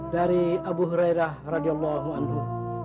dari abu hurairah radiallahu anhu